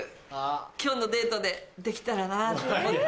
今日のデートでできたらなぁと思って。